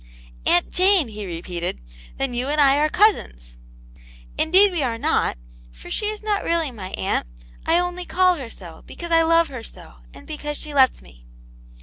*'Aunt Jane!" he repeated; "then you and I are cousins.'' " Indeed we are not, for she is not really my aunt ; I only tall her so, because I love her so, and because she lets me."